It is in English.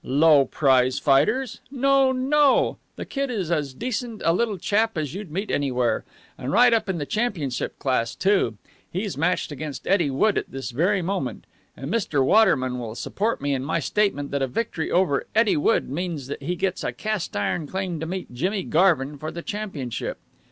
"Low prize fighters! No, no! The Kid is as decent a little chap as you'd meet anywhere. And right up in the championship class, too! He's matched against Eddie Wood at this very moment. And Mr. Waterman will support me in my statement that a victory over Eddie Wood means that he gets a cast iron claim to meet Jimmy Garvin for the championship."